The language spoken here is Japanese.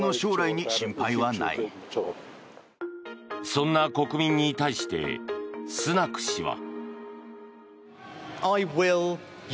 そんな国民に対してスナク氏は。